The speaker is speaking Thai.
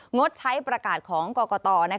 งดใช้ประกาศของกรกต